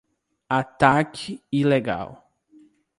Ataque ilegal